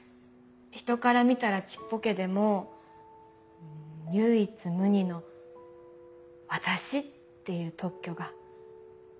人から見たらちっぽけでも唯一無二の「私」っていう特許が。